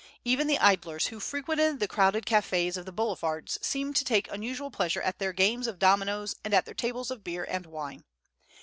Even the idlers who frequented the crowded cafés of the boulevards seemed to take unusual pleasure at their games of dominoes and at their tables of beer and wine.